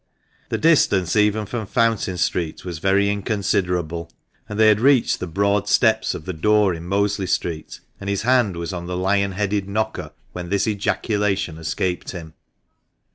The distance even from Fountain Street was very inconsiderable, and they had reached the broad steps of the door in Mosley Street, and his hand was on the lion headed knocker when this ejaculation escaped him.